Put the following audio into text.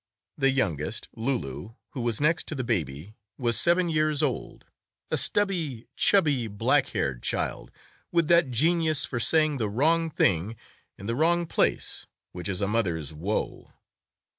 The youngest, Loulou, who was next to the baby, was seven years old—a stubby, chubby, black haired child, with that genius for saying the wrong thing in the wrong place which is a mother's woe.